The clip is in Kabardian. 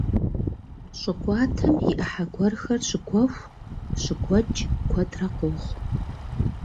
Щӏы кӏуатэм и ӏыхьэ гуэрхэр щыгуэху, щыгуэкӏ куэдрэ къохъу.